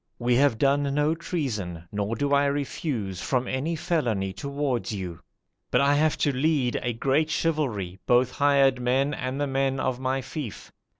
we have done no treason, nor do I refuse from any felony towards you; but I have to lead a great chivalry, both hired men and the men of my fief.